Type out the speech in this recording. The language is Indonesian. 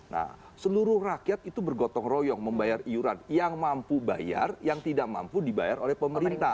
nah seluruh rakyat itu bergotong royong membayar iuran yang mampu bayar yang tidak mampu dibayar oleh pemerintah